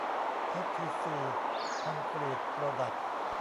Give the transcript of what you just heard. เอสทีซี คอนกรีตโปรดัคท์